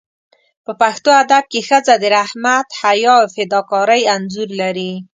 په پښتو ادب کې ښځه د رحمت، حیا او فداکارۍ انځور لري.